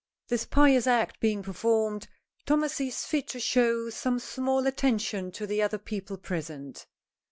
This pious act being performed, Tommy sees fit to show some small attention to the other people present.